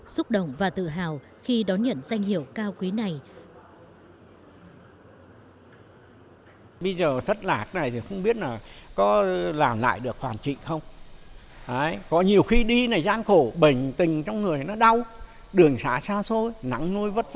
xúc động và tự hào khi đón nhận danh hiệu cao quý này